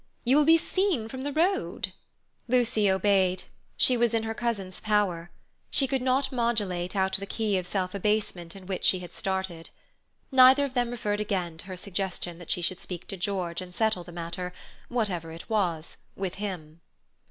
"You will be seen from the road." Lucy obeyed. She was in her cousin's power. She could not modulate out the key of self abasement in which she had started. Neither of them referred again to her suggestion that she should speak to George and settle the matter, whatever it was, with him.